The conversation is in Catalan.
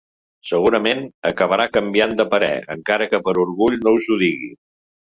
Segurament, acabarà canviant de parer, encara que per orgull no us ho digui.